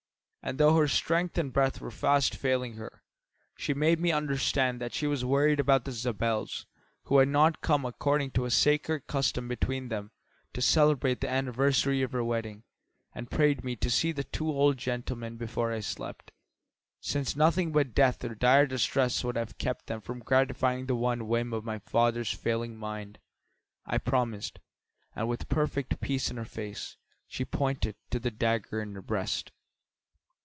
And though her strength and breath were fast failing her, she made me understand that she was worried about the Zabels, who had not come according to a sacred custom between them, to celebrate the anniversary of her wedding, and prayed me to see the two old gentlemen before I slept, since nothing but death or dire distress would have kept them from gratifying the one whim of my father's failing mind. I promised, and with perfect peace in her face, she pointed to the dagger in her breast.